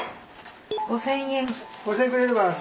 ５，０００円。